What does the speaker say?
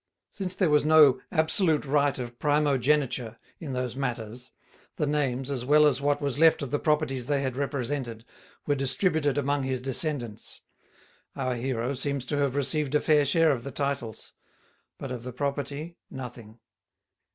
Since there was no absolute right of primo geniture in those matters, the names, as well as what was left of the properties they had represented, were distributed among his descendants. Our hero seems to have received a fair share of the titles; but of the property, nothing.